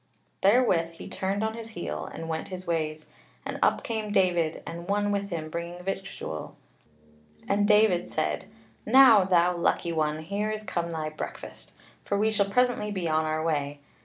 Therewith he turned on his heel, and went his ways, and up came David and one with him bringing victual; and David said: "Now, thou lucky one, here is come thy breakfast! for we shall presently be on our way.